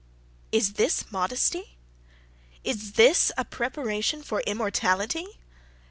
Is this modesty? Is this a preparation for immortality?